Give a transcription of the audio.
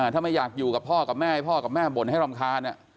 ถ้าไม่อยากอยู่กับพ่อกับแม่ให้พ่อกับแม่บ่นให้รำคาญ